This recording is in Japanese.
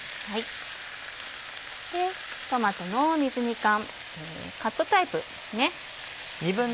トマトの水煮缶カットタイプですね。